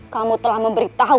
kamu telah memberitahu